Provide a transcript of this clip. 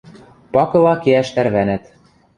Пакыла кеӓш тӓрвӓнӓт.